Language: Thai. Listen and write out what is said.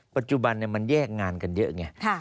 ปัจจุบันมันแยกงานกันเยอะไง